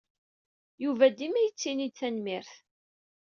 Yuba dima yettini-d tanemmirt.